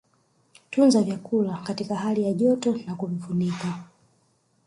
Tunza vyakula katika hali ya joto na kuvifunika